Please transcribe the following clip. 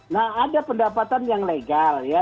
nah ada pendapatan yang legal ya